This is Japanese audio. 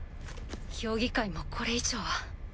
評議会もこれ以上は。